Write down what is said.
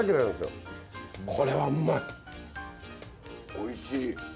おいしい！